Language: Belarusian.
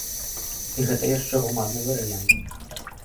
І гэта яшчэ гуманны варыянт.